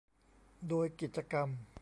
โดยกิจกรรม